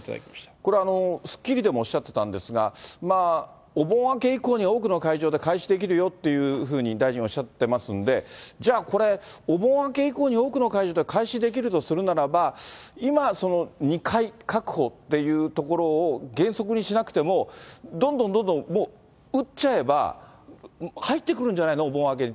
これ、スッキリでもおっしゃってたんですが、お盆明け以降に多くの会場で開始できるよというふうに大臣はおっしゃってますんで、じゃあ、これ、お盆明け以降に多くの会場で開始できるとするならば、今、２回確保というところを原則にしなくても、どんどんどんどんもう打っちゃえば、入ってくるんじゃないの、お盆明けに。